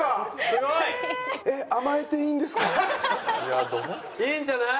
すごい！いいんじゃない？